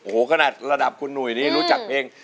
โอ้โหขนาดระดับคุณหนุ่ยนี่รู้จักเพลง